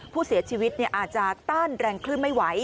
ผู้เสียชีวิตอาจจะต้านแรงคลื่นไม่ไหว